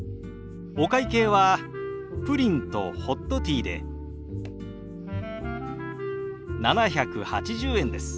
お会計はプリンとホットティーで７８０円です。